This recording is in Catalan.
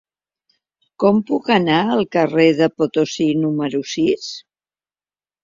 Com puc anar al carrer de Potosí número sis?